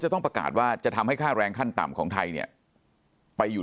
ต้องประกาศว่าจะทำให้ค่าแรงขั้นต่ำของไทยเนี่ยไปอยู่